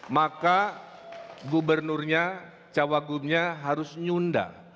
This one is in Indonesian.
maka gubernurnya cawagupnya harus nyunda